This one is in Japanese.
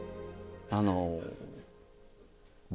あの。